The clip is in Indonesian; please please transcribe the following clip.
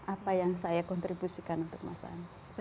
apa yang saya kontribusikan untuk mas anies